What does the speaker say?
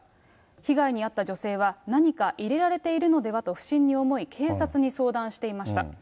被害に遭った女性は何か入れられているのではと不審に思い、警察に相談していました。